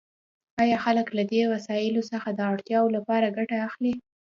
آیا خلک له دې وسایلو څخه د اړتیاوو لپاره ګټه اخلي؟